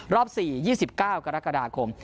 รอบ๔๒๙กรกฎาคม